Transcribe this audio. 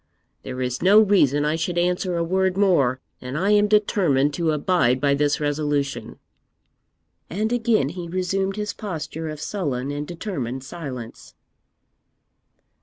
There is no reason I should answer a word more, and I am determined to abide by this resolution.' And again he resumed his posture of sullen and determined silence.